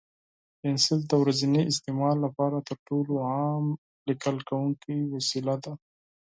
پنسل د ورځني استعمال لپاره تر ټولو عام لیکل کوونکی وسیله ده.